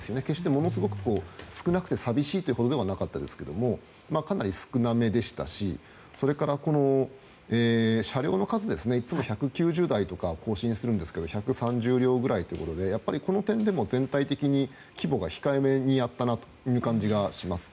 ものすごく少なくて寂しいというほどではありませんでしたがかなり少なめでしたしそれから車両の数ですねいつも１９０台とか行進するんですけど１３０両くらいということでこの点でも全体的に規模控えめにやったなという感じがします。